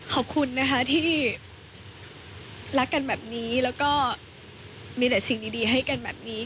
ขอบคุณนะคะที่รักกันแบบนี้แล้วก็มีแต่สิ่งดีให้กันแบบนี้